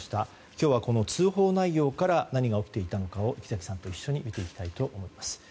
今日はこの通報内容から何が起きていたのかを池嵜さんと一緒に見ていきたいと思います。